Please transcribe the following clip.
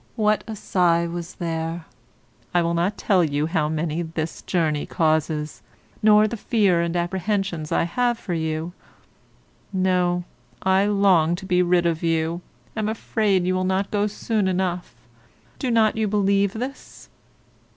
what a sigh was there! I will not tell you how many this journey causes; nor the fear and apprehensions I have for you. No, I long to be rid of you, am afraid you will not go soon enough: do not you believe this?